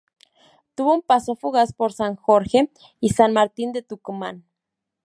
Tuvo un paso fugaz por San Jorge y San Martín de Tucumán.